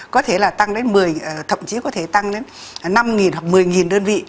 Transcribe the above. có thể là tăng đến một mươi thậm chí có thể tăng lên năm hoặc một mươi đơn vị